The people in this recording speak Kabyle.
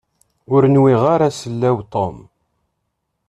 Ur nwiɣ ara sellaw Tom.